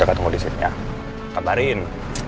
jangan tunggu disini ya kabarin